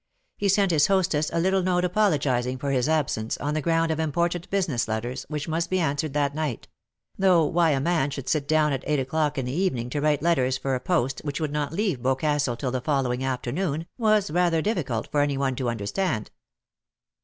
He sent his hostess a little 243 note apologizing for his absence^ on the ground of important business letters, which must be answered that night ; though why a man should sit down at eight o'clock in the evening to write letters for a post which would not leave Boscastle till the follow ing afternoon, was rather difficult for any one to understand.